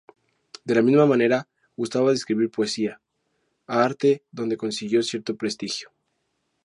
De la misma manera gustaba de escribir poesía, arte donde consiguió cierto prestigio.